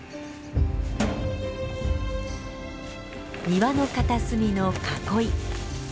庭の片隅の囲い。